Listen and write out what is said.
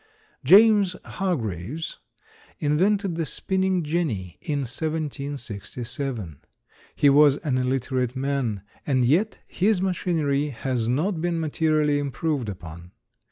James Hargreaves invented the spinning jenny in 1767. He was an illiterate man, and yet his machinery has not been materially improved upon.